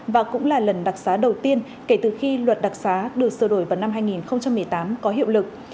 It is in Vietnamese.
và cũng là lần đặc xá đầu tiên kể từ khi luật đặc xá được sửa đổi vào năm hai nghìn một mươi tám có hiệu lực